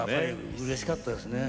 うれしかったですね。